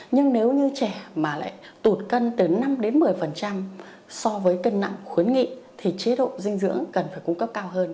nhưng nếu như trẻ mà lại tụt cân từ năm đến một mươi so với cân nặng khuyến nghị thì chế độ dinh dưỡng cần phải cung cấp cao hơn